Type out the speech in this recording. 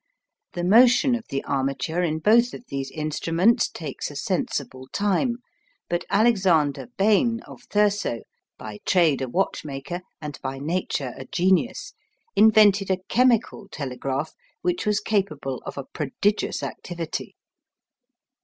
The motion of the armature in both of these instruments takes a sensible time, but Alexander Bain, of Thurso, by trade a watchmaker, and by nature a genius, invented a chemical telegraph which was capable of a prodigious activity.